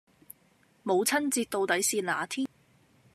母親節到底是那天？